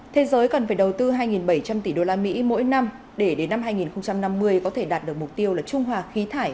thế giới cần phải đầu tư hai bảy trăm linh tỷ usd mỗi năm để đến năm hai nghìn năm mươi có thể đạt được mục tiêu là trung hòa khí thải